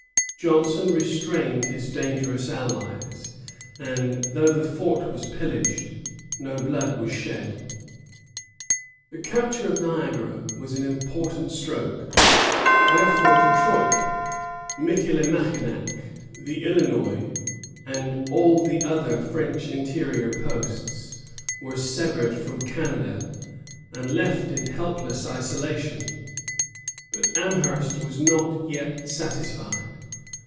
Johnson restrained his dangerous allies, and, though the fort was pillaged, no blood was shed. The capture of Niagara was an important stroke. Thenceforth Detroit, Michillimackinac, the Illinois, and all the other French interior posts, were severed from Canada, and left in helpless isolation; but Amherst was not yet satisfied.